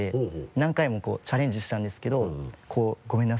何回もチャレンジしたんですけどこう「ごめんなさい」って。